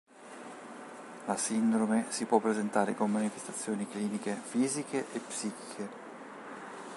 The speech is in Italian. La sindrome si può presentare con manifestazioni cliniche fisiche e psichiche.